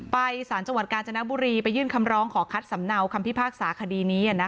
สารจังหวัดกาญจนบุรีไปยื่นคำร้องขอคัดสำเนาคำพิพากษาคดีนี้